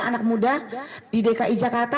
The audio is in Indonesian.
anak muda di dki jakarta